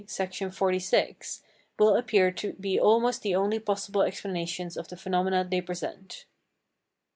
Section XLVI.], will appear to be almost the only possible explanations of the phenomena they present.